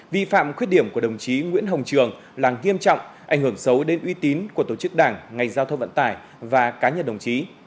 vi phạm khuyết điểm của đồng chí nguyễn hồng trường là nghiêm trọng ảnh hưởng xấu đến uy tín của tổ chức đảng ngành giao thông vận tải và cá nhân đồng chí